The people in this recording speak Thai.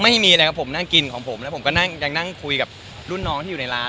ไม่มีเลยครับผมนั่งกินของผมแล้วผมก็ยังนั่งคุยกับรุ่นน้องที่อยู่ในร้าน